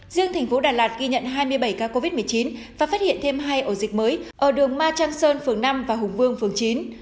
riêng thành phố đà lạt ghi nhận hai mươi bảy ca covid một mươi chín và phát hiện thêm hai ổ dịch mới ở đường ma trang sơn phường năm và hùng vương phường chín